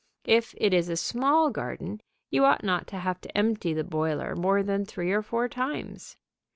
If it is a small garden, you ought not to have to empty the boiler more than three or four times.